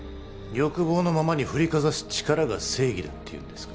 欲望のままに振りかざす力が正義だって言うんですか？